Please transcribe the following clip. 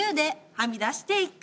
はみ出していく。